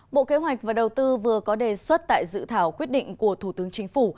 bộ kế hoạch và đầu tư vừa có đề xuất tại dự thảo quyết định của thủ tướng chính phủ